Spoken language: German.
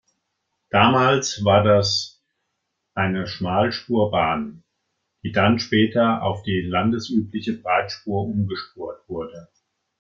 Damals war das eine Schmalspurbahn, die dann später auf die landesübliche Breitspur umgespurt wurde.